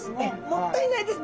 もったいないです。